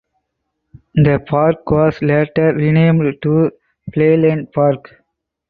The park was later renamed to Playland Park.